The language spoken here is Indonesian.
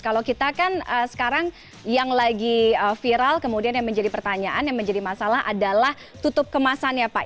kalau kita kan sekarang yang lagi viral kemudian yang menjadi pertanyaan yang menjadi masalah adalah tutup kemasannya pak